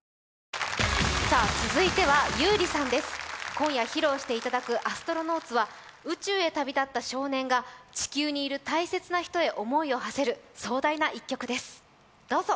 今夜披露していただく「アストロノーツ」は宇宙へ旅立った少年が地球にいる大切な人へ思いをはせる壮大な１曲です、どうぞ。